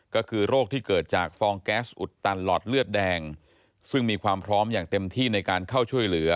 ก็คือโรคที่เกิดจากฟองแก๊สอุดตันหลอดเลือดแดงซึ่งมีความพร้อมอย่างเต็มที่ในการเข้าช่วยเหลือ